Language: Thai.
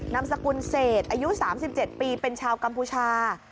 นำสกุลเศษอายุสามสิบเจ็ดปีเป็นชาวกัมพูชา